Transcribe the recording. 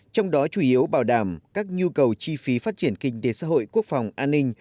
trong đó chủ yếu bảo đảm các nhu cầu chi phí phát triển kinh tế xã hội quốc phòng an ninh